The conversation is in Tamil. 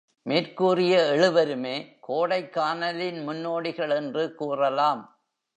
மேற்கூறிய எழுவருமே கோடைக்கானலின் முன்னோடிகள் என்று கூறலாம்.